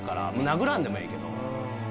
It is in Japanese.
殴らんでもええけど。